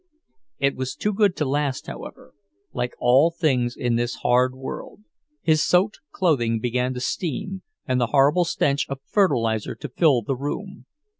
It was too good to last, however—like all things in this hard world. His soaked clothing began to steam, and the horrible stench of fertilizer to fill the room.